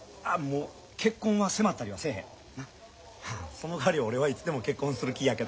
そのかわり俺はいつでも結婚する気やけど。